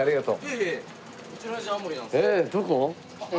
どこ？